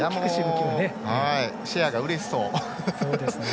シェアがうれしそう。